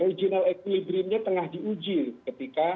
regional equilibrium nya tengah diuji ketika